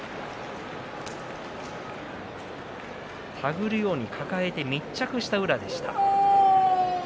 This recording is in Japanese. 手繰るように抱えて密着した宇良でした。